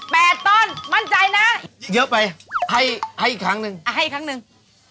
ต้นมั่นใจนะเยอะไปให้ให้อีกครั้งหนึ่งอ่าให้ครั้งหนึ่ง